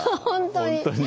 本当に。